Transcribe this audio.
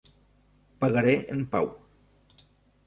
Pagaré en pau.